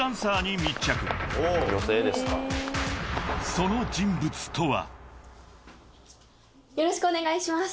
［その人物とは］